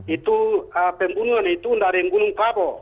itu pembunuhan itu dari gunung kabo